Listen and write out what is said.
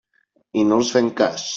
I no els fem cas.